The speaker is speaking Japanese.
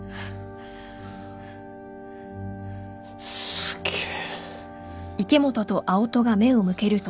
すげえ。